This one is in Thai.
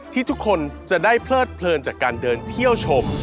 ที่ทุกคนจะได้เพลิดเพลินจากการเดินเที่ยวชม